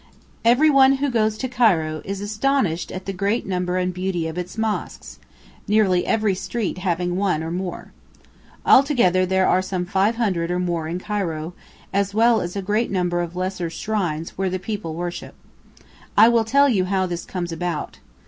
Everyone who goes to Cairo is astonished at the great number and beauty of its mosques, nearly every street having one or more. Altogether there are some 500 or more in Cairo, as well as a great number of lesser shrines where the people worship. I will tell you how this comes about.